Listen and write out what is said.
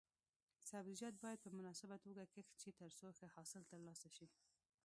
سبزیجات باید په مناسبه توګه کښت شي ترڅو ښه حاصل ترلاسه شي.